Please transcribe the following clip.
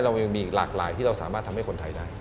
เรายังมีอีกหลากหลายที่เราสามารถทำให้คนไทยได้